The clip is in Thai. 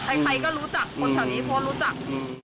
ใครก็รู้จักคนแถวนี้พอรู้จัก